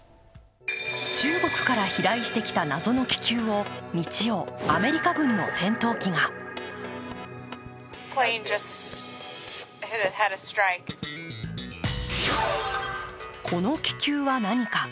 中国から飛来してきた謎の気球を日曜、アメリカ軍の戦闘機がこの気球は何か。